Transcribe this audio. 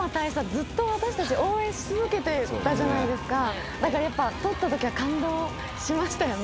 ずっと私達応援し続けてたじゃないですかだからやっぱとった時は感動しましたよね